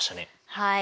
はい。